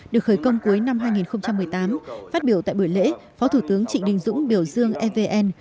được khởi công cuối năm hai nghìn một mươi tám phát biểu tại buổi lễ phó thủ tướng trịnh đình dũng biểu dương evn